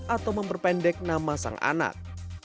atau memperpendek nama sang anak